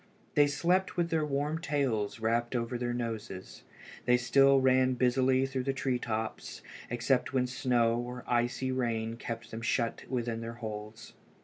They slept with their warm tails wrapped over their noses. They still ran busily through the tree tops, except when snow or icy rain kept them shut within their holes.